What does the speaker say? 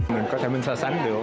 mình có thể mình so sánh được